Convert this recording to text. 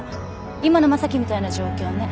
今の正樹みたいな状況ね。